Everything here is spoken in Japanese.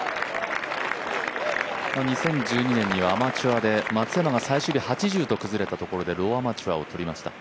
２０１２年にはアマチュアで松山が崩れたところでローアマチュアをとりました。